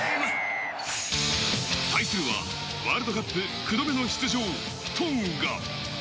対するはワールドカップ９度目の出場、トンガ。